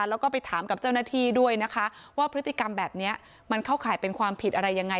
แล้วก็ไปถามกับเจ้าหน้าที่ด้วยนะคะว่าพฤติกรรมแบบนี้มันเข้าข่ายเป็นความผิดอะไรยังไง